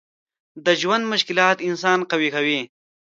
د ژوند مشکلات انسان قوي کوي.